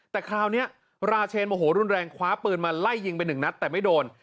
แต่คราวนี้ราเชนโมโหรุนแรงคว้าปืนมาไล่ยิงไปหนึ่งนัดแต่ไม่โดน